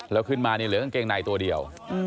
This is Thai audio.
แล้วขึ้นมาเนี่ยเหลือกางเกงในตัวเดียว